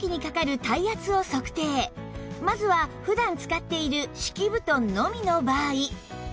まずは普段使っている敷き布団のみの場合